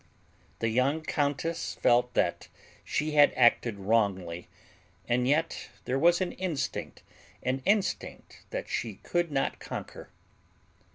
The young countess felt that she had acted wrongly, and yet there was an instinct an instinct that she could not conquer.